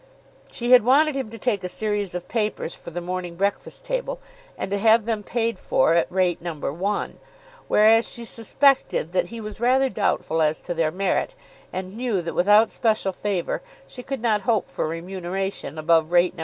She had wanted him to take a series of papers for the "Morning Breakfast Table," and to have them paid for at rate No. 1, whereas she suspected that he was rather doubtful as to their merit, and knew that, without special favour, she could not hope for remuneration above rate No.